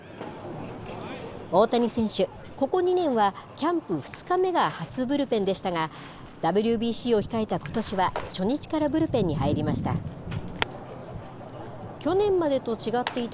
大谷選手、ここ２年はキャンプ２日目が初ブルペンでしたが、ＷＢＣを控えたことしは、初日からブルペンに入りました。